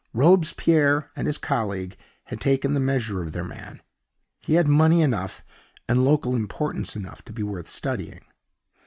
Robespierre and his colleagues had taken the measure of their man he had money enough, and local importance enough to be worth studying.